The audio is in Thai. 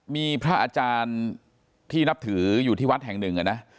มีพระอาจารย์ที่นับถืออยู่ที่วัดแห่งหนึ่งนะ